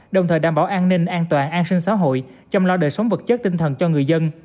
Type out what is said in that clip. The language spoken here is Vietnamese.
đồng thời đảm bảo an ninh an toàn an sinh xã hội chăm lo đời sống vật chất tinh thần cho người dân